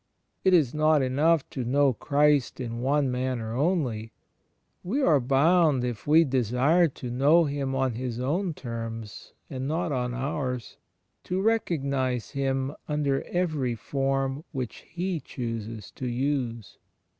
It is not enough to know Christ in one maimer only: we are bound, if we desire to know Him on His own terms and not on ours, to recognize Him under every form which He chooses to use.